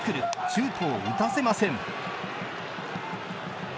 シュートを打たせません。